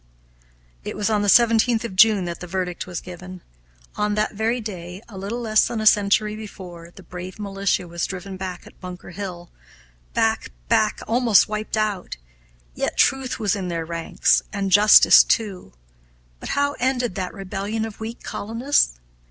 It was on the 17th of June that the verdict was given. On that very day, a little less than a century before, the brave militia was driven back at Bunker Hill back, back, almost wiped out; yet truth was in their ranks, and justice, too. But how ended that rebellion of weak colonists?